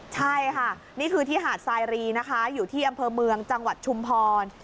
ใช่ค่ะนี่คือที่หาดสายรีนะคะอยู่ที่อำเภอเมืองจังหวัดชุมพร